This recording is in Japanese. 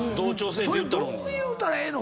それどう言うたらええの？